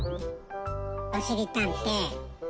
おしりたんてい！